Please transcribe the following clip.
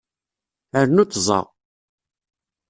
Rnu tẓa.